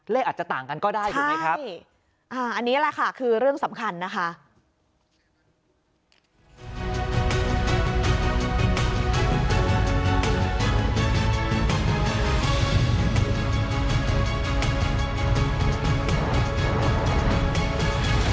อาจจะต่างกันก็ได้ถูกไหมครับอันนี้แหละค่ะคือเรื่องสำคัญนะคะ